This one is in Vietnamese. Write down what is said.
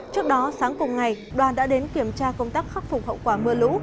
trước đó sáng cùng ngày đoàn đã đến kiểm tra công tác khắc phục hậu quả mưa lũ